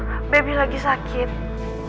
aku sekarang lagi di rumah sakit cakrawala